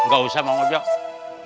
gak usah mau ngobrol